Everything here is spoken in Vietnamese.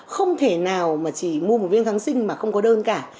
không thể nào mà chỉ mua một viên kháng sinh mà không có đơn cả